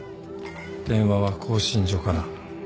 電話は興信所から。